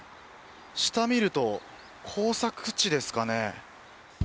下見ると、耕作地ですかね。